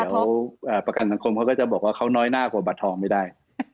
เดี๋ยวประกันสังคมเขาก็จะบอกว่าเขาน้อยหน้ากว่าบัตรทองไม่ได้